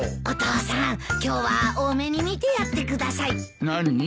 お父さん今日は大目に見てやってください。何？